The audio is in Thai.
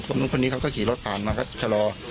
นู้นคนนี้เขาก็ขี่รถผ่านมาก็ชะลอ